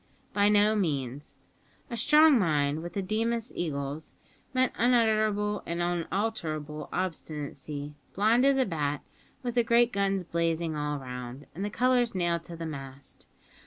By no means. A strong mind with the Deemas eagles meant unutterable and unalterable obstinacy, blind as a bat, with the great guns blazing all round, and the colours nailed to the mast.